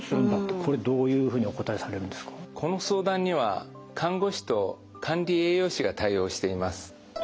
この相談には看護師と管理栄養士が対応しています。